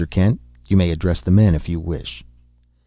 Kent, you may address the men if you wish."